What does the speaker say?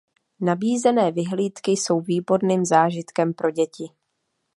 Nabízené vyhlídky jsou výborným zážitkem pro děti.